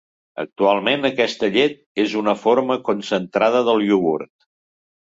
Actualment, aquesta llet és una forma concentrada del iogurt.